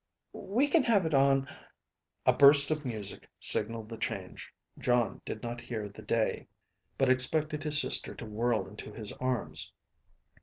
"We can have it on ..." A burst of music signaled the change. Jon did not hear the day, but expected his sister to whirl into his arms.